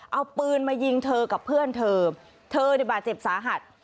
เอาปืนมายิงเธอกับเพื่อนเธอเธอนี่บาดเจ็บสาหัส